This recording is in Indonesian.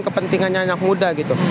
kepentingannya anak muda gitu